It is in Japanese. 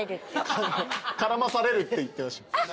絡まされるって言ってました。